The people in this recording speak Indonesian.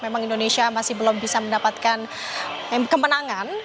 memang indonesia masih belum bisa mendapatkan kemenangan